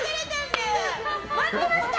待ってました！